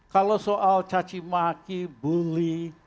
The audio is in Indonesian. kalau soal cacimaki bully